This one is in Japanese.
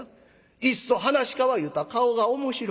いっそ噺家は言うたら『顔が面白い』。